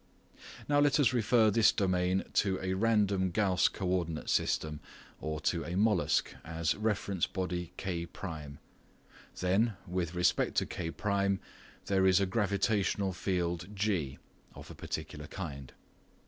Now let us refer this domain to a random Gauss coordinate system or to a "mollusc" as reference body K1. Then with respect to K1 there is a gravitational field G (of a particular kind).